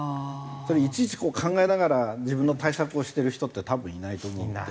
それいちいち考えながら自分の対策をしてる人って多分いないと思うので。